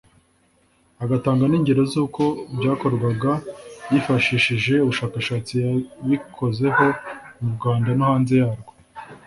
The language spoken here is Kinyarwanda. agatanga n’ingero z’uko byakorwaga yifashishije ubushakashatsi yabikozeho mu Rwanda no hanze yarwo